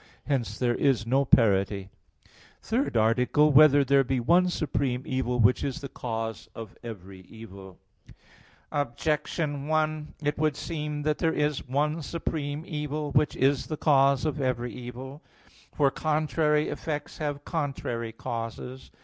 Hence there is no parity. _______________________ THIRD ARTICLE [I, Q. 49, Art. 3] Whether There Be One Supreme Evil Which Is the Cause of Every Evil? Objection 1: It would seem that there is one supreme evil which is the cause of every evil. For contrary effects have contrary causes.